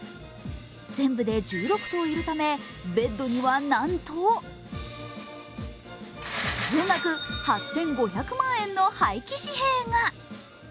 全部で１６頭いるため、ベッドにはなんと総額８５００万円の廃棄紙幣が。